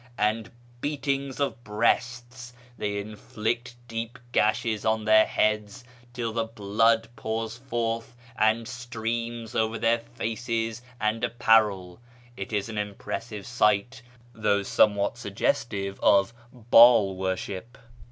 " and beatings of breasts, they inflict deep gashes on their heads till the blood pours forth and streams over their faces and ap parel. It is an impressive sight, though somewhat suggestive of Baal worship.